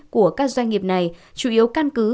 của các doanh nghiệp này chủ yếu căn cứ